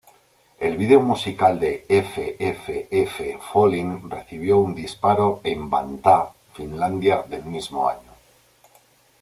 El vídeo musical de "F-F-F-Falling" recibió un disparo en Vantaa, Finlandia del mismo año.